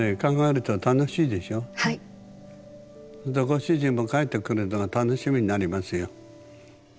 ご主人も帰ってくるのが楽しみになりますよ。